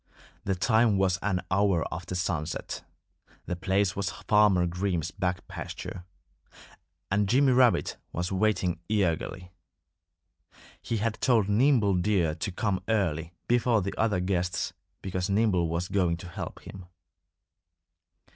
The time was an hour after sunset. The place was Farmer Green's back pasture. And Jimmy Rabbit was waiting eagerly. He had told Nimble Deer to come early, before the other guests, because Nimble was going to help him.